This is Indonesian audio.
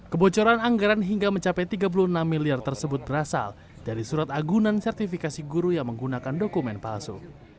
kebocoran anggaran hingga mencapai tiga puluh enam miliar tersebut berasal dari surat agunan sertifikasi guru yang menggunakan dokumen palsu